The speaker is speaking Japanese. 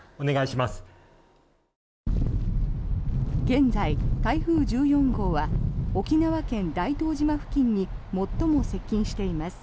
現在、台風１４号は沖縄県・大東島付近に最も接近しています。